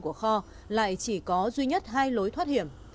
của kho lại chỉ có duy nhất hai lối thoát hiểm